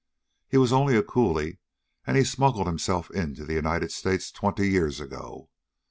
He was only a coolie, and he smuggled himself into the United States twenty years ago.